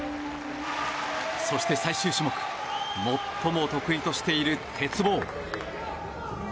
そして最終種目最も得意としている鉄棒。